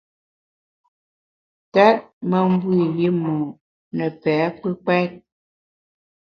Tèt me mbe i yimo’ ne pe’ kpùkpèt.